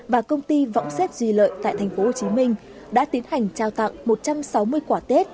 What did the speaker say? và công ty võng xét duy lợi tại tp hcm đã tiến hành trao tặng một trăm sáu mươi quả tết